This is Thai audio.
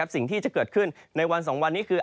สิ่งที่จะเกิดขึ้นในวัน๒วันนี้คือ